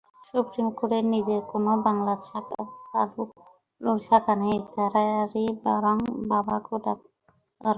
Supreme কোর্টের নিজের কোনো বাংলা চালুর শাখা নেই, তারই বরং বাবাকো দরকার।